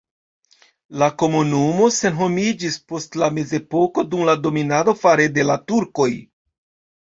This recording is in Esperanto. La komunumo senhomiĝis post la mezepoko dum la dominado fare de la turkoj.